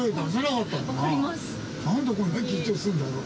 なんでこんな緊張するんだろう。